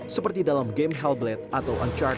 seperti dalam game hellblade atau uncharted